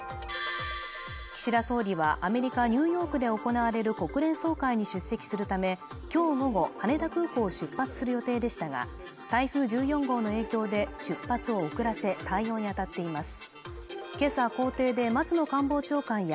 岸田総理はアメリカ・ニューヨークで行われる国連総会に出席するためきょう午後羽田空港を出発する予定でしたが台風１４号の影響で出発を遅らせ対応に当たっています